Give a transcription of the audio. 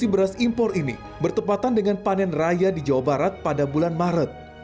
beras impor ini bertepatan dengan panen raya di jawa barat pada bulan maret